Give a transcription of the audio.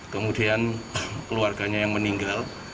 kemudian keluarganya yang meninggal